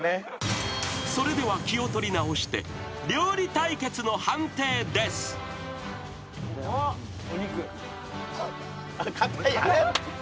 ［それでは気を取り直して料理対決の判定です］硬い。